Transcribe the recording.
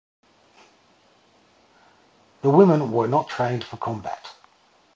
The women were not trained for combat.